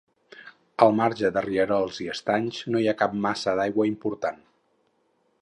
Al marge de rierols i estanys, no hi ha cap massa d'aigua important.